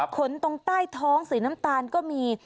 ตรงใต้ท้องสีน้ำตาลก็มี